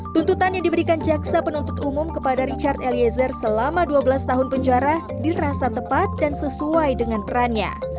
tuntutan yang diberikan jaksa penuntut umum kepada richard eliezer selama dua belas tahun penjara dirasa tepat dan sesuai dengan perannya